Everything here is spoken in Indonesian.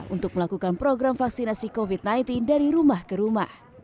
untuk melakukan program vaksinasi covid sembilan belas dari rumah ke rumah